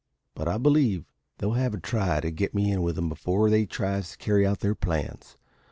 But I believe they'll have a try to get me in with 'em before they tries to carry out their plans.